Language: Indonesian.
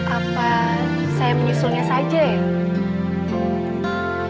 apa saya menyusulnya saja ya